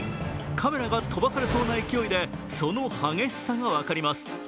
カメラが飛ばされそうな勢いで、その激しさが分かります。